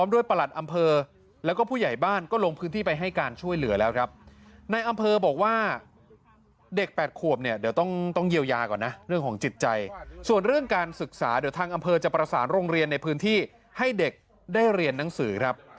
เดี๋ยวทางอำเภอจะประสานโรงเรียนในพื้นที่ให้เด็กได้เรียนหนังสือครับ